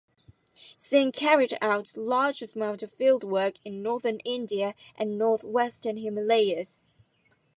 Singh carried out large amount of fieldwork in northern India and northwestern Himalayas.